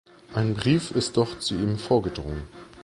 Ein Brief ist doch zu ihm vorgedrungen.